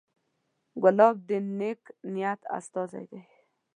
ګلاب د نیک نیت استازی دی.